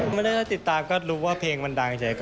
ไม่ได้ติดตามก็รู้ว่าเพลงมันดังเฉย